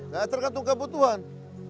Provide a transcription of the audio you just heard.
tidak tergantung kebutuhan